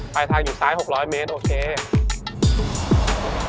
ไปทางอยู่ซ้าย๖๐๐เมตรโอเค